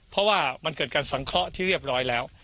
เพราะว่ามันเกิดการสังเคราะห์ที่เรียบร้อยแล้ว